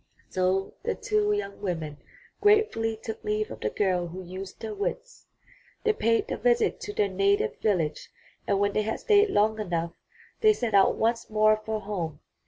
So the two young women gratefully took leave of the girl who used her wits. They paid the visit to their native village and when they had stayed long enough they set out once more for home.